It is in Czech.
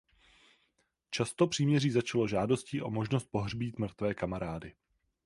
Často příměří začalo žádostí o možnost pohřbít mrtvé kamarády.